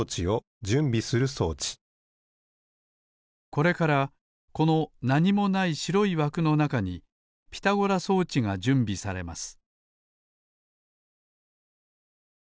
これからこのなにもないしろいわくのなかにピタゴラ装置がじゅんびされます